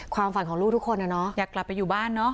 ความฝันของลูกทุกคนนะเนาะอยากกลับไปอยู่บ้านเนอะ